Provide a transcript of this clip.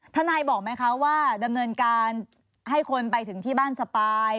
ทนายบอกไหมคะว่าดำเนินการให้คนไปถึงที่บ้านสปาย